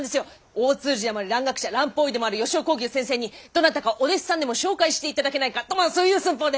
大通詞でもあり蘭学者蘭方医でもある吉雄耕牛先生にどなたかお弟子さんでも紹介して頂けないかとまぁそういう寸法で！